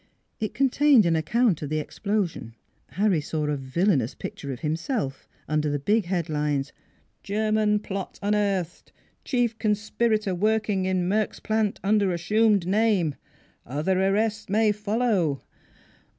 It contained an account of the explosion. Harry saw a villainous picture of himself under big head lines :" German plot unearthed ! Chief conspirator working in Merks Plant under as sumed name! Other arrests may follow!